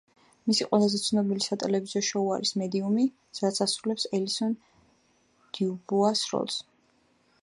მისი ყველაზე ცნობილი სატელევიზიო შოუ არის „მედიუმი“, სადაც ასრულებს ელისონ დიუბუას როლს.